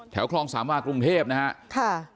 แถวครองสามว่ากรุงเทพนะฮะ